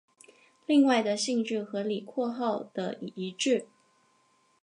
另外的性质和李括号的一致。